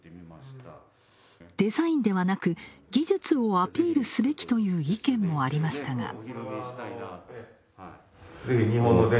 デザインではなく技術をアピールすべきとの意見もありましたが。